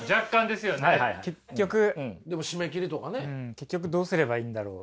結局どうすればいいんだろう。